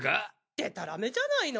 でたらめじゃないの！